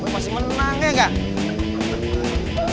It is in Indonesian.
masih menang ya nggak